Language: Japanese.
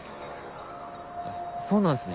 そうなんすね。